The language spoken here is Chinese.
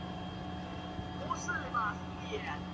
也将此类归类于岩黄蓍属。